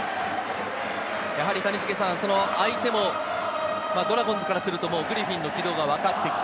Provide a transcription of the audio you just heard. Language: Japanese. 谷繁さん、相手もドラゴンズからするとグリフィンの軌道が分かってきた。